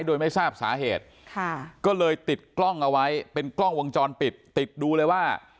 โดยไม่ทราบสาเหตุค่ะก็เลยติดกล้องเอาไว้เป็นกล้องวงจรปิดติดดูเลยว่า